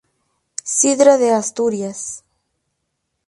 Sidra de Asturias.